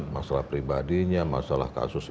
masalah pribadinya masalah kasus mereka hadir